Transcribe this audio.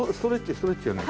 ストレッチじゃない？